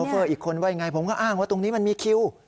เฟอร์อีกคนว่ายังไงผมก็อ้างว่าตรงนี้มันมีคิว